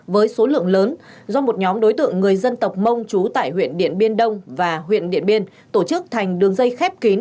với số lượng lớn do một nhóm đối tượng người dân tộc mông trú tại huyện điện biên đông và huyện điện biên tổ chức thành đường dây khép kín